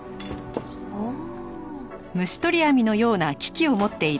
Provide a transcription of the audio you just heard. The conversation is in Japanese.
ああ。